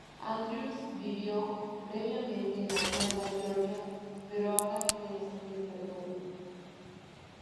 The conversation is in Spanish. Andrews vivió previamente en Atlanta, Georgia, pero ahora vive en Los Ángeles, California.